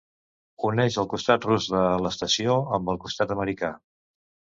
Uneix el costat rus de l'estació amb el costat americà.